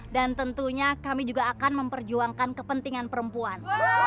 dan tentunya kami juga akan memperjuangkan kepentingan perempuan